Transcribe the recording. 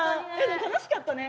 楽しかったね。